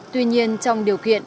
tuy nhiên trong điều kiện